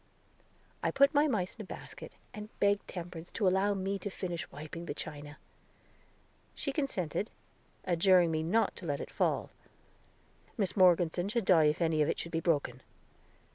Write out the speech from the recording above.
I put my mice in a basket, and begged Temperance to allow me to finish wiping the china; she consented, adjuring me not to let it fall. "Mis Morgeson would die if any of it should be broken."